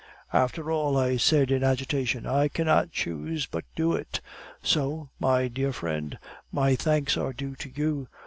"'After all,' I said, in agitation, 'I cannot choose but do it. So, my dear friend, my thanks are due to you.